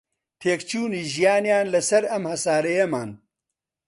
تێکچوونی ژیانیان لەسەر ئەم هەسارەیەمان